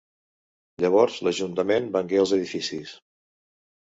Llavors l'ajuntament vengué els edificis.